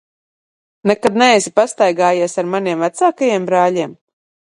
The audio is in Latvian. Nekad neesi pastaigājies ar maniem vecākajiem brāļiem?